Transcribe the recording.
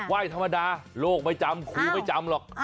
ว่ายธรรมดาโลกไม่จำครูไม่จำหรอก